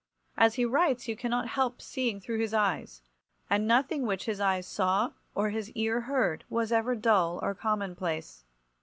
As he writes you cannot help seeing through his eyes, and nothing which his eyes saw or his ear heard was ever dull or commonplace.